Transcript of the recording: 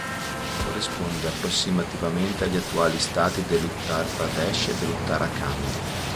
Corrisponde approssimativamente agli attuali stati dell'Uttar Pradesh e dell'Uttarakhand.